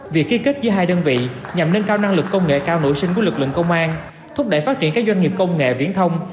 việc ký kết giữa hai đơn vị nhằm nâng cao năng lực công nghệ cao nội sinh của lực lượng công an thúc đẩy phát triển các doanh nghiệp công nghệ viễn thông